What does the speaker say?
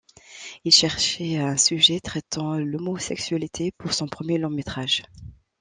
Il cherchait un sujet traitant de l'homosexualité pour son premier long métrage.